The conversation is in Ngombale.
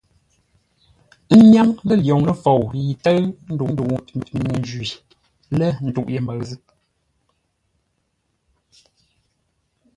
Ə́ nyâŋ lə̂ lwoŋ ləfou yi ə́ tə́ʉ ndəu ngəp nye-njwi, lə̂ ntûʼ ye mbəʉ zʉ́.